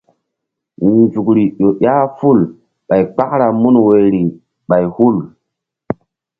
Nzukri ƴo ƴah ful ɓay kpakra mun woyri ɓay hul.